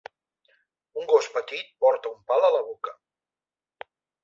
Un gos petit porta un pal a la boca.